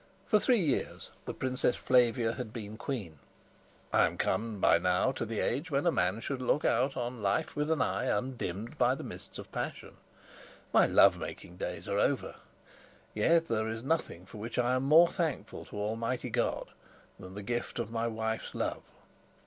For three years the Princess Flavia had been queen. I am come by now to the age when a man should look out on life with an eye undimmed by the mists of passion. My love making days are over; yet there is nothing for which I am more thankful to Almighty God than the gift of my wife's love.